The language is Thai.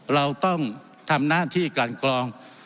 เราต้องทำหน้าที่กันกรอง